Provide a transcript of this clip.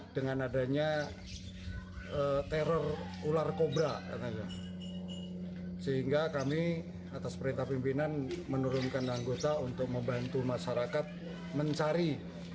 dengan adanya teror ular kobra sehingga kami atas perintah pimpinan menurunkan anggota untuk membantu masyarakat mencari